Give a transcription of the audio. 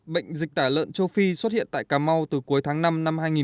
bệnh dịch tả lợn châu phi xuất hiện tại cà mau từ cuối tháng năm năm hai nghìn một mươi chín